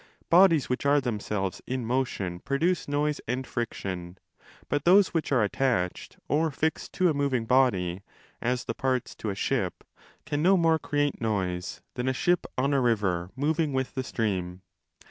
Bodies which are them _ selves in motion, produce noise and friction: but those which are attached or fixed to a moving body, as the parts to a ship, can no more create noise, than a ship on a river BOOK II. 9 201" moving with the stream.